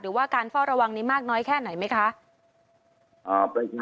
หรือว่าการเฝ้าระวังนี้มากน้อยแค่ไหนไหมคะ